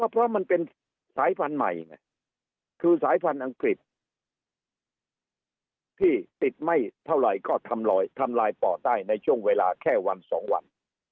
เพราะมันเป็นสายพันธุ์ใหม่ไงคือสายพันธุ์อังกฤษที่ติดไม่เท่าไหร่ก็ทำลายปอดได้ในช่วงเวลาแค่วันสองวัน